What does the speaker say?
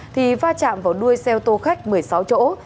tạm vào đuôi xe ô tô khách một mươi sáu chỗ